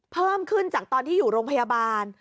เพิ่มขึ้นจากตอนที่อยู่โรงพยาบาล